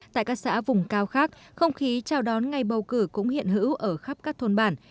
tại các xã vùng cao khác không khí chào đón ngày bầu cử cũng hiện hữu ở khắp các thôn bản